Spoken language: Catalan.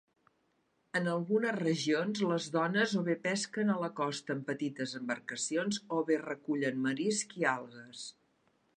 En algunes regions, les dones o bé pesquen a la costa en petites embarcacions o bé recullen marisc i algues.